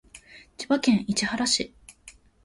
千葉県市原市